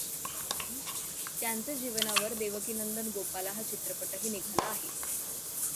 त्यांचे जीवनावर देवकीनंदन गोपाला हा चित्रपटही निघाला आहे.